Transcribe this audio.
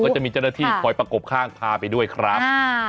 จะมีเจ้าหน้าที่คอยประกบข้างพาไปด้วยครับ